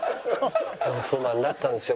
不満だったんですよ。